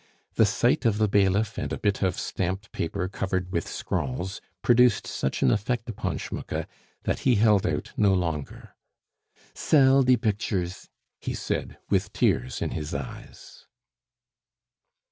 The sight of the bailiff and a bit of stamped paper covered with scrawls produced such an effect upon Schmucke, that he held out no longer. "Sell die bictures," he said, with tears in his eyes.